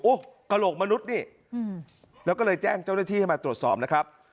กระโหลกมนุษย์นี่แล้วก็เลยแจ้งเจ้าหน้าที่ให้มาตรวจสอบนะครับ